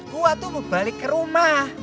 gua tuh mau balik ke rumah